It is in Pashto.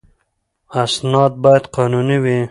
اسناد باید قانوني وي.